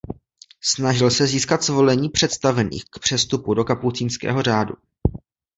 Snažil se získat svolení představených k přestupu do kapucínského řádu.